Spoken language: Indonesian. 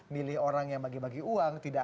milih orang yang bagi bagi uang tidak